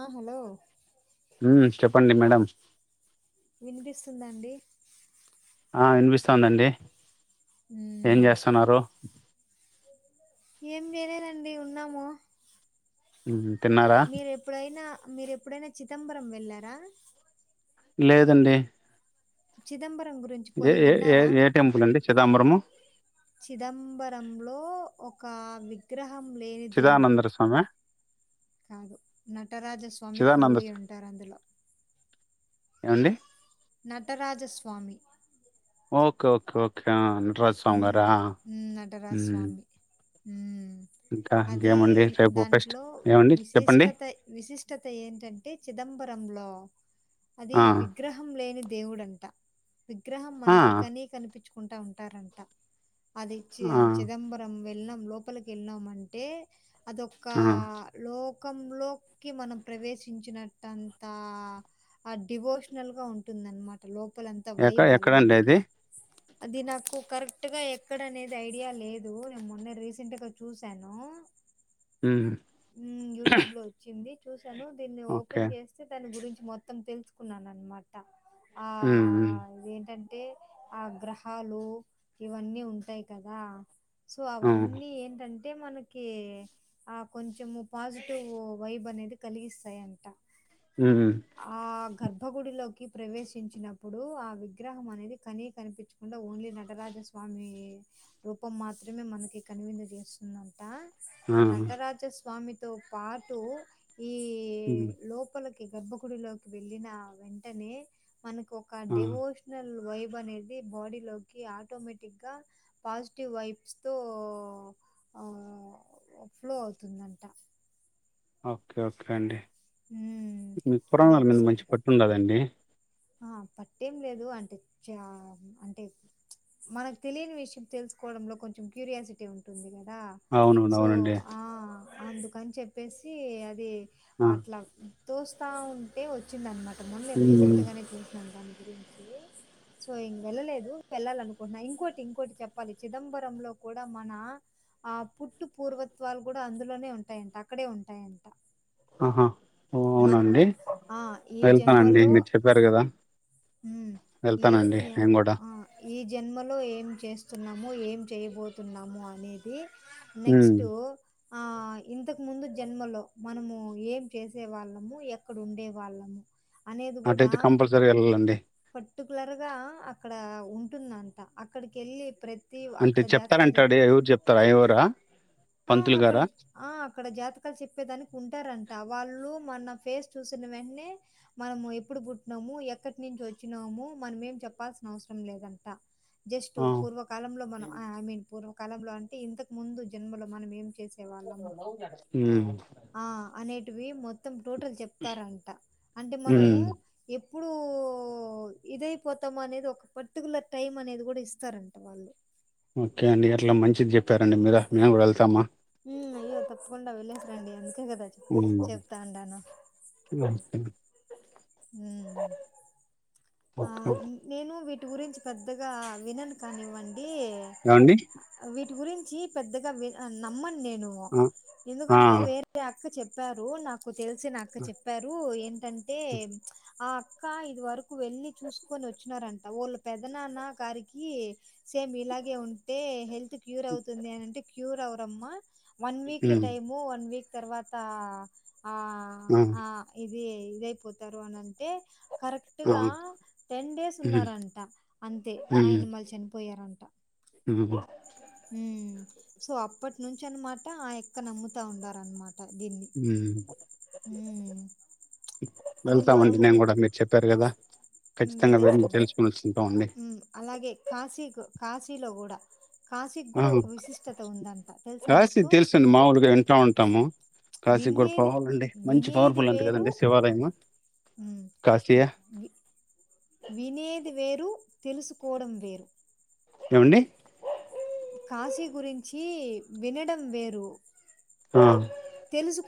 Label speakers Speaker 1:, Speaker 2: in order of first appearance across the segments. Speaker 1: ఆ హలో
Speaker 2: హ్మ్ చెప్పండి మేడం
Speaker 1: వినిపిస్తుందండి
Speaker 2: ఆ వినిపిస్తాందండి ఏం
Speaker 1: ఉమ్
Speaker 2: చేస్తన్నారు
Speaker 1: ఏం చేయలేదండి ఉన్నాము
Speaker 2: ఊహూ
Speaker 1: మీరు ఎప్పుడైనా మీరు ఎప్పుడైనా చిదంబరం వెళ్ళారా?
Speaker 2: లేదండి
Speaker 1: చిదంబర్ రం గురించి
Speaker 2: ఏ
Speaker 1: పోని
Speaker 2: ఏ ఏ
Speaker 1: విన్నారా
Speaker 2: ఏ టెంపుల్ అండి చిదంబరము
Speaker 1: చిదంబరంలో ఒ కా విగ్ర హం లేని దేవుడు
Speaker 2: చిదానందర స్వామి
Speaker 1: కాదు నటరాజస్వామి
Speaker 2: చిదానంద
Speaker 1: కొలువై
Speaker 2: స్వా-
Speaker 1: ఉంటారు అందులో
Speaker 2: ఏమండి
Speaker 1: నటరాజ స్వామి
Speaker 2: ఓకే ఓకే ఓకే ఆ నటరాజ స్వామి
Speaker 1: హ్మ్
Speaker 2: గారా
Speaker 1: మ్మ్ నటరాజ
Speaker 2: ఉమ్
Speaker 1: స్వామి హ్మ్
Speaker 2: ఇంకా
Speaker 1: అది
Speaker 2: ఇంకేమండి రేపు ఫెస్ట్
Speaker 1: దాంట్లో
Speaker 2: ఏమండి చెప్పండి
Speaker 1: విశిష్టత విశిష్టత ఏంటంటే చిదంబరంలో అది
Speaker 2: ఆ
Speaker 1: విగ్రహం లేని దేవుడంట విగ్రహం
Speaker 2: ఆ
Speaker 1: మనకి కనీ కనిపించ్ కుా ఉంటంది అంటారంట అది చి
Speaker 2: ఆ
Speaker 1: చిదంబరం వెళ్లం లోపలికి వెళ్ళాం అంటే అదొక్క
Speaker 2: ఆ
Speaker 1: లో లోక లోకి మనం ప్రవేశించినట్ంతా డివోషనల్ గా ఉంటుందనమాట లో చెప్పల్ంత
Speaker 2: ఎక్క
Speaker 1: వైబ్ అలా
Speaker 2: ఎక్కడండి
Speaker 1: మనకి
Speaker 2: అది
Speaker 1: అది నా కరెక్ట్ గా ఎక్కడ అనేది ఐడియా లేదు నేను మొన్న రీసెంట్గా చూసాను
Speaker 2: ఉమ్
Speaker 1: హ్మ్ యూట్యూబ్ లో వచ్చింది టను దీన్ని ఓపెన్
Speaker 2: ఓకే
Speaker 1: చేస్తే దాని గురించి మొత్తం తెలుసుకున్నాను అనమాట ఆ
Speaker 2: ఉమ్
Speaker 1: ఏంటన్ ఆ గ్రహాలు ఇవన్నీ ఉంటాయి కదా సో
Speaker 2: ఉమ్
Speaker 1: అవన్నీ ఏంటన్ అంటే మనకి ఆ కొంచం పాజిటివ్ వైబ్ అనేది కలిగిస్తాయంట
Speaker 2: ఉమ్ ఉమ్
Speaker 1: ఆ గర్ గర్భ గుడిలోకి ప్రవేశించినప్పుడు ఆ విగ్రహం అనేది కనీ కనిపించకుండా ఓన్లీ న నటరాజస్వామి రూపం మాత్రమే మనకి కనివిందు చేేస్తుందంట ఆ నటరాజ స్వామి తో పాటు ఈ
Speaker 2: ఉమ్
Speaker 1: లోపల క్ గర్భకుడిలోకి వెళ్ళిన వెంటనే మనకు ఒక
Speaker 2: ఆ
Speaker 1: డివోషనల్ వైఫ నేది బాడీలో ఆటోమేటిక్ గా పాజిటివ్ వైబ్స్ తో ఫ్లో అవుతుందంట
Speaker 2: ఓకే ఓకే అండి
Speaker 1: ఉమ్,
Speaker 2: మీ
Speaker 1: అది
Speaker 2: పురాణాలు మీద
Speaker 1: ఒకసారి
Speaker 2: మంచి పట్టు ఉండదండి
Speaker 1: ఆ పట్టేం లేదు అంటే చ అంటే మనకు తెలియని విషయం తెలుసుకోవడంలో కొంచెం క్యూరియాసిటీ ఉంటుంది కదా
Speaker 2: అవునను
Speaker 1: సో
Speaker 2: అవునండి
Speaker 1: ఆ అందుకని చెప్పేసి అది
Speaker 2: ఆ
Speaker 1: అట్లా తోస్తూ ఉంటే వచ్చిందన్నమాట మళీ
Speaker 2: హ్మ్.
Speaker 1: రీసెంట్గా దాని గురించి, సో ఇం వెళ్ళలేదు వెళ్ళాల అనుకుంటున్నా ఇంకోటి ఇంకోటి చెప్పాలి, చిదంబర లో కూడా మన ఆ పుట్టు పూర్వత్వాలు కూడా అందులోనే ఉంటాయంట, అక్కడే ఉంటాయంట.
Speaker 2: ఆహా ఓహ్!
Speaker 1: మనము
Speaker 2: అవునండి
Speaker 1: ఆ ఈ
Speaker 2: వెళ్తానండి
Speaker 1: జన్మలో
Speaker 2: మీరు చెప్పారు కదా
Speaker 1: మ్ ఈ
Speaker 2: వెళ్తానండి నేను కూడా
Speaker 1: ఆ ఈ జన్మలో ఏం చేస్తున్నాము ఏం చేయబోతున్నాము అనేది
Speaker 2: ఉమ్
Speaker 1: నెక్స్ట్ ఆ ఇంతకు ముందు జన్మలో మనము ఏం చేస్ చేసే వాళ్ళము ఎక్కడ ఉండే వాళ్ళము అనేది కూడా
Speaker 2: అటైతే కంపల్సరీ వెళ్ళాలండి
Speaker 1: పర్టికులర్ గా అక్కడ ఉంటుందంట అక్కడికి వెళ్ళి ప్రతి
Speaker 2: అంటే
Speaker 1: అక్కడ జాతకాలు చెప్
Speaker 2: చెప్తారంటాడు ఐ ఊరు చెప్తారా ఐ రా
Speaker 1: ఆ అక్కడ ఆ అక్కడ జాతకాలు చెప్పేదానికి ఉంటారంట వాళ్ళు మన ఫేస్ చూసిన వెంటనే మనము ఎప్పుడు పుట్టినాము, ఎక్కడి నుంచి వచ్చినాము, మనం ఏం చెప్పాల్సిన అవసరం లేదంట. జస్ట్
Speaker 2: ఆ
Speaker 1: పూర్వకాలంలో మనం ఐ మీన్ పూర్వ కాలంలో అంటే ఇంతకు ముందు జన్మలు మనం ఏం చేస్
Speaker 2: మ్
Speaker 1: వి మొత్తం టోటల్ చెప్తారంట అంటే మనము
Speaker 2: ఉమ్
Speaker 1: ఇప్పుడు ఇదైపోతాము అనేది ఒక పర్టికులర్ టైమ్ అనేది కూడా ఇస్తారంట వాళ్ళు
Speaker 2: ఓకే అండి అట్లా మంచిది చెప్పారండి మీరు మేము కూడా వెళ్తాము
Speaker 1: హ అయ్యో తప్పుకుండా వెళస రండి అం అే కదా చెప్తా ఉంటను ఆ
Speaker 2: ఓక
Speaker 1: నేను వీటి గురించి పెద్దగా వినను కానివ్వండి
Speaker 2: ఏమండి
Speaker 1: అడి వీటి గురిం చి పెద్దగా వి నమ్మన్ నేను
Speaker 2: ఆ ఆ
Speaker 1: ఎందుకంటే వేరే అక్క చె పరు నాకు తెలిసి నాకు చెప్పారు ఏ ఏంటంటే ఆ అక్క ఇది వరకు వెళ్ళి చూసుకొని వచ్చినారంట, ఒళ్ళు పెద్దనాన్న గారికి సేమ్ ఇలాగే ఉంటే హెల్త్ క్యూర్ అవుతుంది అనింటే క్యూర్ అ అమ్మా వన్ వీక్ కె
Speaker 2: ఉమ్
Speaker 1: టైము వన్ వీక్ తర్వాత ఆ ఆ ఇ ఇది ఇదయిపోతారు అనంటే
Speaker 2: ఆ
Speaker 1: అటుగా టెన్ డేస్
Speaker 2: ఉమ్
Speaker 1: ఉన్నారంట అంతే ఆయన
Speaker 2: ఉమ్
Speaker 1: మళ్ళ చనిపోయారంట
Speaker 2: ఉమ్
Speaker 1: హుమ్ సో అప్పటి నుంచి అనమాట ఆ ఎక్క నమ్ముతా ఉండారనమాట. దీన్ని.
Speaker 2: మ్
Speaker 1: హ్మ్. అది
Speaker 2: వెళ్తామండి నేను కూడా మీరు చెప్పారు కదా ఖచ్చితంగా వెళ్ళి
Speaker 1: వెళ్ళేసిరండి
Speaker 2: తెలుసుకుని వచ్చుకుంటామండి
Speaker 1: మ్ అలాగే కాశీకు కాశీలో కూడా కాశీక్
Speaker 2: ఆ,
Speaker 1: కూడా ఒక విశిష్టత ఉందంట తెలుసా
Speaker 2: కాశీ
Speaker 1: మీకు
Speaker 2: తెలుసండి మామూలుగా వింటా ఉంటాము కాశీ కూడా
Speaker 1: వినేది
Speaker 2: పవర్ల్ నా అండి మంచి
Speaker 1: వినేది
Speaker 2: పవర్ఫుల్ అంత
Speaker 1: వేరు
Speaker 2: కదండి శివాలయ
Speaker 1: హ్మ్.
Speaker 2: కాశీయ
Speaker 1: చెప్ వి వినేది వేరు తెలుసుకోడం వేరు
Speaker 2: ఏమండి
Speaker 1: కాశీ గురించి వినడం వేరు
Speaker 2: ఆ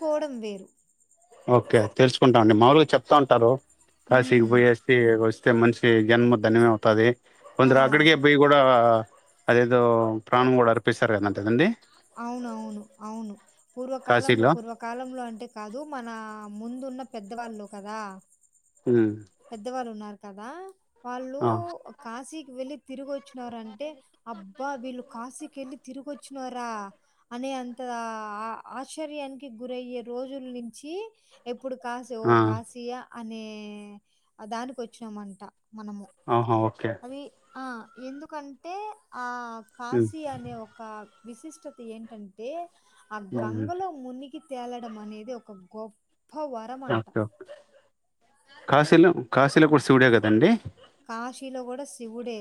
Speaker 1: కోవడం వేరు
Speaker 2: ఓకే తెలుసుకుంటామండి మామేలు గా చెప్తా ఉంటారు. కాసికి
Speaker 1: హ్మ్.
Speaker 2: బోయి అస్తే వస్ మనిషి జన్మధన్యం అవుతది. కొందరు
Speaker 1: ఆ!
Speaker 2: అక్కడికి బోయి కూడా ఆ అదేదో ప్రాణం కూడా అర్పిస్తారు కదంతేదండి
Speaker 1: అవునవును అవును పూర్వకాలంలో
Speaker 2: కాశీలో
Speaker 1: పూర్వకాలంలో అంటే కాదు మన ముందు ఉన్న పెద్దవాళ్ళు కదా
Speaker 2: ఉమ్,
Speaker 1: పెద్దవాళ్ళు ఉన్నారు. కదా వాళ్ళు
Speaker 2: ఆ,
Speaker 1: కాశీక్ వెళ్లి తిరుగొచ్చు వారంటే అబ్ తప్ప వీళ్ళు కాశీకి వెళ్ళి తిరికొచ్చినారా అనే అంత ఆశ్చర్యానికి గురయ్యే రోజుల నుంచి ఇప్పుడు కాశీ ఓ
Speaker 2: ఆ,
Speaker 1: కాశీయా అనే దానికి వచ్చినామంట మనము
Speaker 2: ఆహా, ఓకే
Speaker 1: అది ఆ ఎందుకంటే ఆ
Speaker 2: ఉమ్,
Speaker 1: కాశీ అనే ఒక విశిష్టత ఏంటంటే ఆ
Speaker 2: ఉమ్,
Speaker 1: గంగలో ముని కి తేలడం అనేది ఒక గొప్ప అప్పా వరమంట
Speaker 2: ఓకే ఓకే. కాశీలో కాశీలో కూడా శివుడే కదండి
Speaker 1: కాశీలో కూడ శివుడే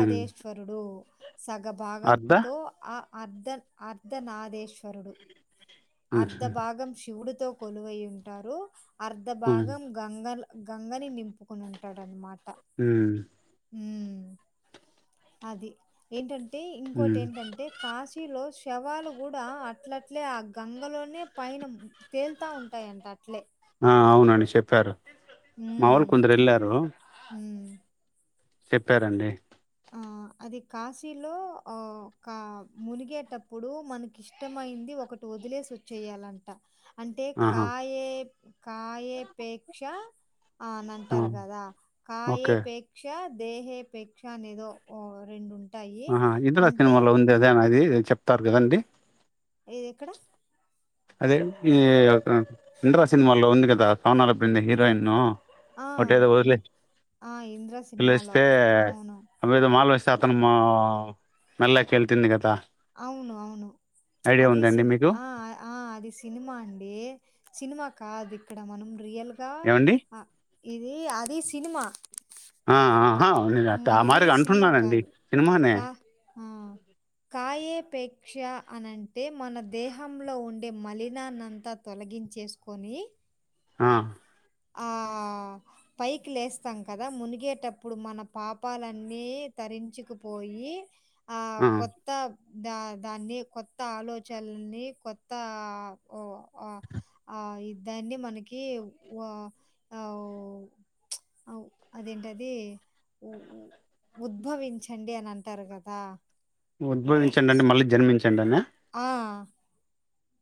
Speaker 2: ఉమ్, అర్ధ
Speaker 1: సగభాగంతో ఆ అర్ధన్ అర్ధనాదేశ్వరుడు
Speaker 2: ఉమ్,
Speaker 1: అర్ధభాగం శివుడు తో కొలువై ఉంటారు
Speaker 2: ఉమ్,
Speaker 1: అర్ధభాగం గంగల్ గంగని నింపుకొని ఉంటాడనిమాట
Speaker 2: మ్మ్
Speaker 1: మ్మ్ అది ఏంటం అంటే ఇంకోటి
Speaker 2: ఉమ్.
Speaker 1: ఏంటంటే కాశీలో శి శవాలు కూడా అట్లట్లే ఆ గంగలోనే పైన తేలుతాఉంటాయంట అట్లే
Speaker 2: ఆ అవునండి శేప్పారు. మావాళ్లు
Speaker 1: హ్మ్.
Speaker 2: కొందరు వెళ్లారు.
Speaker 1: హ్మ్.
Speaker 2: చెప్పారండి.
Speaker 1: ఆ అది కాశీలో ఆ ఇంకా మునిగేటప్పుడు మనకి ఇష్టమైంది ఒకటి వదిలేసి వచ్చేయాలంట అంటే
Speaker 2: ఆహా!
Speaker 1: కాయే కాయేపేక్ష ఆ అని అంటారు కదా
Speaker 2: ఓకే.
Speaker 1: కాయేపేక్ష దేహేపేక్ష కానేదో ఓ రెండు ఉం
Speaker 2: ఆహా ఇంద్ర సినిమాలో ఉంది అదేనా ఇది చెప్తారు కాదండి.
Speaker 1: ఏది ఎక్కడ.
Speaker 2: అదే ఈ ఇంద్ర సినిమాలో ఉంది కదా సోనాలి బెండ్రే హీరోయిన్
Speaker 1: ఆ ఆ ఇంద్రా సినిమాలో
Speaker 2: వదిలేస్తే
Speaker 1: అవును.
Speaker 2: అవేదో మాల వేస్తే అతను మా మెల్లోకేళ్తంది కదా
Speaker 1: అవును అవును అది
Speaker 2: ఉందండి
Speaker 1: సిన్
Speaker 2: మీకు?
Speaker 1: ఆ ఆ ఆది సి సినిమా అండి. సినిమా కాదు ఇక్కడ మనం రియల్ దా
Speaker 2: ఏవండి?
Speaker 1: హా ఇది అది సినిమా
Speaker 2: ఆ ఆ నేను అట్ట
Speaker 1: మ్
Speaker 2: ఆ మాట
Speaker 1: ఇది సినిమా
Speaker 2: అంటున్నానండి
Speaker 1: కాదు
Speaker 2: సినిమానే
Speaker 1: కా ఆ కాయేపేక్ష అనంటే మన దేహంలో ఉండే మలినాన్నంతా తొలగించేసుకోని.
Speaker 2: ఆ
Speaker 1: ఆ పైకి లేస్తాం కదా మునిగేటప్పుడు మన పాపాలన్నీ తరించుకుపోయి ఆ కొత్త దా దాన్ని కొత్త ఆలోచనని కొత్త ఆ ఒ ఆ దాన్ని మనకి ఆ ఒ ఆ ఒ అదేంటది ఉద్భవించండి అని అంటారు కదా
Speaker 2: ఉద్భవించం అంటడి మళ్ళీ జన్మించం ఏంటి
Speaker 1: ఆ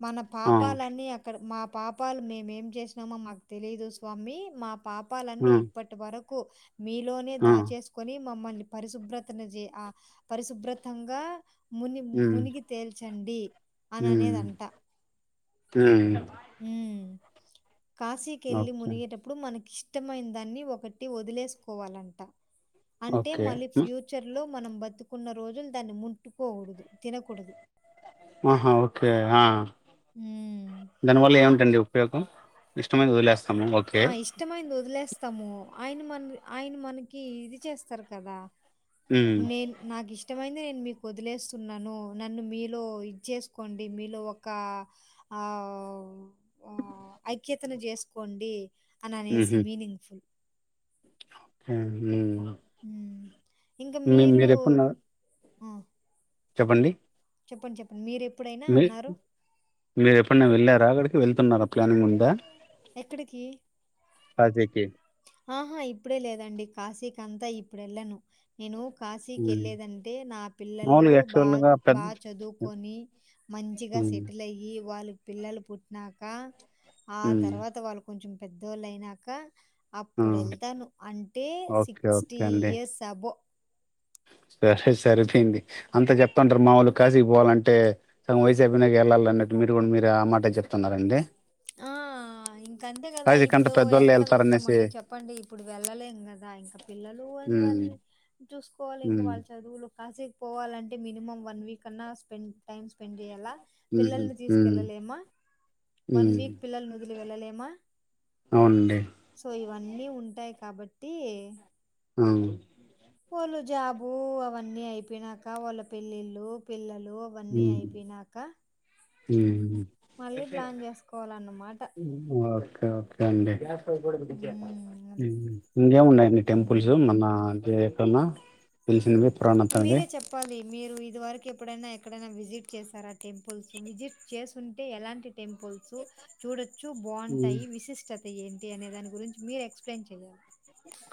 Speaker 1: మన
Speaker 2: ఆ!
Speaker 1: పాపాలన్నీ అక్కడ మా పాపాలు మేముేం చేసినామో మాకు తెలీదు స్వామి మా పాపాలన్నీ
Speaker 2: ఆ!
Speaker 1: ఇప్పటి వరకు కు మీలోనే
Speaker 2: ఆ!
Speaker 1: దాచేసుకొని మమ్మల్ని పరిశుభ్రతను చే ఆ పరిశుభ్రతంగా ముని
Speaker 2: హ్మ్.
Speaker 1: మునిగి తేల్చండి అని అనేది అం
Speaker 2: ఊ
Speaker 1: కాశీకి వెళ్ళలి మునిగేటప్పుడు మనకి ఇష్టమైన దాన్ని ఒకటి వదిలేసుకోవాలంట అంటే
Speaker 2: ఓకే
Speaker 1: మళ్ళీ
Speaker 2: హ్మ్.
Speaker 1: ఫ్యూచర్ లో మనం బతుకున్న రోజులు దాన్ని ముట్టుకోకూడదు తినకూడదు
Speaker 2: ఆహా ఓకే ఆ
Speaker 1: హ్మ్.
Speaker 2: దానివల్ల ఏమింటండి ఉపయోగం ఇష్టమైన వదిలిస్
Speaker 1: ఆ ఇష్టమైంది వదిలేస్తాము ఆయన మన ఆయన మనకి ఇది చేస్తారు కదా
Speaker 2: హ్మ్.
Speaker 1: న నాగి ఇష్ ఇష్టమైంది నేను మీకు వదిలేస్తున్నాను, నన్ను మీలో ఇదిసుకోండి మీలో ఒకఆ ఒ ఐక్యతను చేసుకోండి అని అనేసి
Speaker 2: హుహు.
Speaker 1: మీనింగ్ ఫుల్
Speaker 2: ఉ
Speaker 1: మ్
Speaker 2: మీ మీర ఎప్పుడున్నారు
Speaker 1: ఆ
Speaker 2: చెప్పండి
Speaker 1: చెప్పండి చెప్పండి మీరే
Speaker 2: మీ మీరు ఎప్పుడనా వెళ్ళారుా అక్కడికి వెళ్తున్న ఆ ప్లానింగ్ ఉందే
Speaker 1: ఎక్కడికి
Speaker 2: కాశీకి?
Speaker 1: ఆహా ఇప్పుడే లేదండి కాశీక్ అంతా ఇప్పుడు వెళ్ళను నేను కాశీకి
Speaker 2: హ్మ్.
Speaker 1: వెళ్ళలేదంటే నా పిల్లలు
Speaker 2: మామూలుగా
Speaker 1: బాగా
Speaker 2: యాక్చువల్‌గా పెద్ద
Speaker 1: బాగా చదువుకొని మంచిగా
Speaker 2: హ్మ్.
Speaker 1: సెటిల్ అయ్యి వాళ్ళు పిల్లలు పుట్టినాక ఆ
Speaker 2: హ్మ్.
Speaker 1: తర్వాత వాళ్ళు కొంచెం పెద్దోళ్ళ అయినాక
Speaker 2: ఆ!
Speaker 1: అప్పుడు వెళ్తాను అంటే
Speaker 2: ఓకే. ఓకే
Speaker 1: సిక్స్టీ
Speaker 2: అండి.
Speaker 1: ఇయర్స్ అబో
Speaker 2: సరే సరదే అండి అంతా చెప్తుంటారు మాముూలు కాశీకి పోవాలంటే సగం వైసీపీ నాకి వెళ్ళాల అన్నట్టు మీరు కూడా మీరు ఆ మాట చెప్తున్నారండి
Speaker 1: ఆ ఇంకంతే కదా
Speaker 2: రాజకంటే
Speaker 1: ఇప్పుడు
Speaker 2: పెద్దోళ్ళు
Speaker 1: ఎక్కడ
Speaker 2: వెళ్తారనేసి
Speaker 1: వెళ్తామండి చెప్పండి ఇప్పుడు వెళ్ళలేం కదా ఇంకా పిల్లలు అని
Speaker 2: ఉమ్,
Speaker 1: వాళ్ళని చూసుకో ఇం
Speaker 2: ఉమ్,
Speaker 1: వాళ్ల్ుదు కాశీకి పోవాలంటే మినిమం వన్ వీక్ అన్నా స్పెండ్ టైమ్ స్పెండ్ చేయ్యాలా
Speaker 2: ఉమ్,
Speaker 1: పిల్లల్ని
Speaker 2: ఉమ్,
Speaker 1: తీసుకెళ్లలేమా వన్ వీక్ పిల్ల నుదు వెళ్ళలేమా
Speaker 2: అవుడి
Speaker 1: సో ఇవన్నీ ఉంటాయి కాబట్టి
Speaker 2: అవు
Speaker 1: వాళ్ళు జాబు అవన్నీ అయిపోయినాక వాళ్ళ పెళ్ళిళ్ళు పిల్లలు లోవన్నీ అయిపోయినాక
Speaker 2: హ
Speaker 1: మళ్ళీ ప్లాన్ చేసుకోవాలన్నమాట
Speaker 2: ఓకే ఓకే అండి
Speaker 1: ఉమ్ అది
Speaker 2: ఇంకే ఉన్నాయండి
Speaker 1: ఉమ్
Speaker 2: టెంపుల్స్ మన కన్నా తెలిసిన బ
Speaker 1: మీరే చెప్పాలి మీరు ఇది వరకు ఎప్పుడైనా ఎక్కడైనా విజిట్ చేశారా టెంపుల్స్ విజిట్ చేస్తుంటే ఎలాంటి టెంపుల్స్ చూడొచ్చు
Speaker 2: ఉమ్.
Speaker 1: బాగుంటాయి విశిష్టత అతే ఏంటి అనే దాని గురించి మీరు ఎక్స్ప్లెయిన్ చెయాలి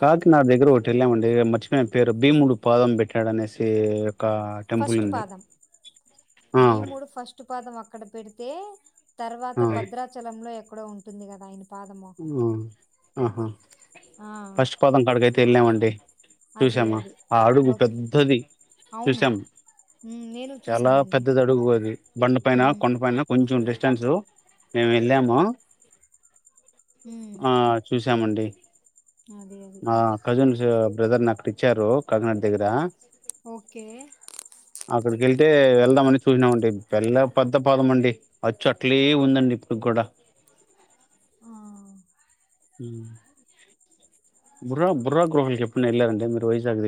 Speaker 2: కాకి నా దగ్గర ఒకటి వెళ్ళామండి మర్చిపోయిన పేరు భీముడు పాదం పెట్టాడనేసి ఒక టెంపుల్
Speaker 1: ఫస్ట్
Speaker 2: ఉంది
Speaker 1: పాదం
Speaker 2: ఆ
Speaker 1: భీముడు ఫస్ట్ పాదం అక్కడ పెడితే తర్వాత
Speaker 2: ఆ,
Speaker 1: భద్రాచలంలో ఎక్క కూడా ఉంటుంది కదా ఆయన పాదము
Speaker 2: ఆ ఆహా
Speaker 1: ఆ
Speaker 2: ఫస్ట్ పాదం కాడకయితే వెళ్ళామండి
Speaker 1: అదే
Speaker 2: చూసామా
Speaker 1: అది
Speaker 2: ఆ అడుగు
Speaker 1: ఓకే
Speaker 2: పెద్దది
Speaker 1: అవును
Speaker 2: చూసాము
Speaker 1: ఉమ్, నేను
Speaker 2: చాలా
Speaker 1: చూశానండి
Speaker 2: పెద్దది అడుగు అది బండ పైన
Speaker 1: ఉమ్,
Speaker 2: కొండపైన కొంచెం డ స్టాన్స్ మేము వెళ్ళాము
Speaker 1: ఉమ్,
Speaker 2: ఆ చూసి మండి
Speaker 1: అదే అది
Speaker 2: మా కసిన్స్ బ్రదర్ నక్కడిచ్చారు కర్ణాటక దగ్గర
Speaker 1: ఓకే
Speaker 2: అక్కడికి వెళ్తే వెళ్దామని చూసినామండి పెళ్ల పెద్ద పాదం అండి అచ్చు అట్లే ఉందండి ఇప్పుడికి కూడా
Speaker 1: ఆ.
Speaker 2: బుర్ర బుర్ర గృహాలకేప్పుడన్నా వెళ్ళారండి మీరు వైజాక్ దగ్గ